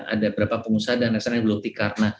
ada beberapa pengusaha dan resennya yang gulung tikar